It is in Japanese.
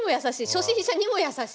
初心者にも優しい。